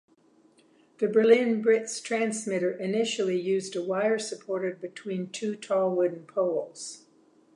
The Berlin-Britz transmitter initially used a wire supported between two tall wooden poles.